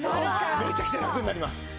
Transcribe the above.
めちゃくちゃラクになります。